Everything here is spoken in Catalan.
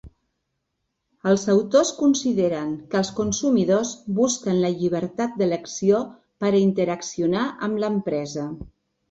Els autors consideren que els consumidors busquen la llibertat d'elecció per interaccionar amb l'empresa.